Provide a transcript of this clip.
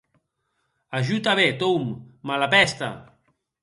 A jo tanben, Tom, mala pèsta!